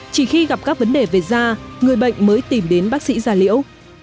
chỉ khi gặp các vấn đề về da người bệnh mới tìm đến bác sĩ gia liễu